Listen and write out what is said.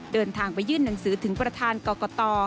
เดินทางไปยื่นหนังสือถึงประธานกรกต